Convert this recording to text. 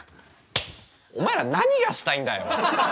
お前ら何がしたいんだよ！